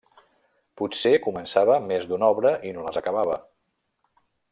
Potser començava més d’una obra i no les acabava.